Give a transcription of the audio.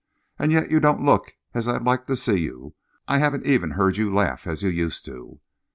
And yet you don't look as I'd like to see you. I haven't even heard you laugh as you used to."